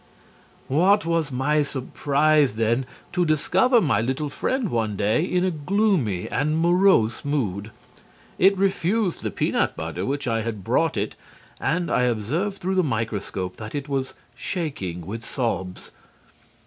What was my surprise, then, to discover my little friend one day in a gloomy and morose mood. It refused the peanut butter which I had brought it and I observed through the microscope that it was shaking with sobs.